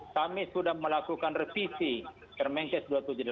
kami sudah melakukan revisi kemenkes dua ratus tujuh puluh delapan